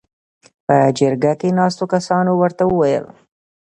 .په جرګه کې ناستو کسانو ورته ووېل: